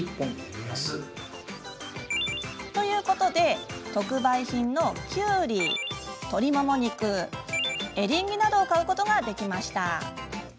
ということで、特売品のきゅうり鶏もも肉、エリンギなどを買うことができました。